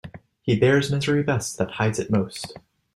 He bears misery best that hides it most.